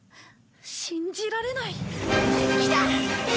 信じられない。来た！